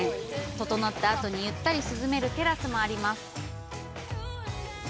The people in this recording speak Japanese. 整ったあとにゆったり涼めるテラスもあります。